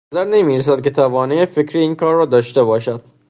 به نظر نمیرسد که توانایی فکری این کار را داشته باشند.